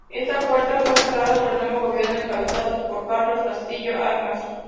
Esa puerta fue cerrada por el nuevo gobierno, encabezado por Carlos Castillo Armas.